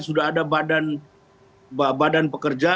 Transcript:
sudah ada badan pekerja